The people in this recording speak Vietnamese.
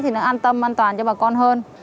thì nó an tâm an toàn cho bà con hơn